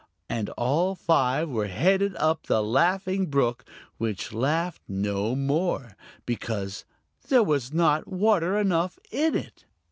And all five were headed up the Laughing Brook, which laughed no more, because there was not water enough in it.